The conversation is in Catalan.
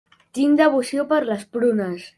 Tinc devoció per les prunes.